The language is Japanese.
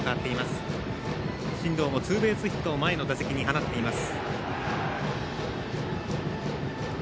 進藤もツーベースヒットを前の打席で放っています。